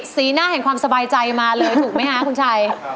หน้าแห่งความสบายใจมาเลยถูกไหมคะคุณชัย